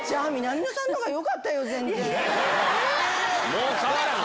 もう変わらん。